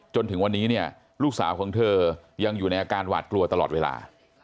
จนถึงวันนี้เนี่ยลูกสาวของเธอยังอยู่ในอาการหวาดกลัวตลอดเวลา